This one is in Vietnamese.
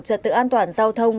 trật tự an toàn giao thông